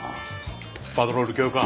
パトロール強化！